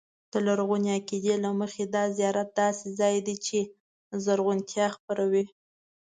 د لرغوني عقیدې له مخې دا زیارت داسې ځای دی چې زرغونتیا خپروي.